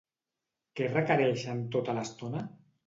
Què requereixen tota l'estona?